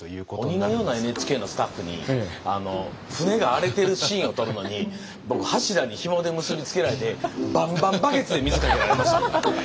鬼のようなＮＨＫのスタッフに船が荒れてるシーンを撮るのに僕柱にひもで結び付けられてバンバンバケツで水かけられましたんで。